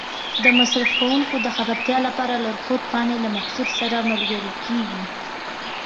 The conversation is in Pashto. د مصرف کوونکو د خبرتیا لپاره لارښود پاڼې له محصول سره ملګري کېږي.